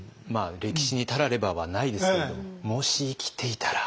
歴史に「たられば」はないですけれどもし生きていたら。